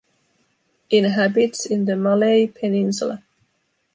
Inhabits in the Malay Peninsula.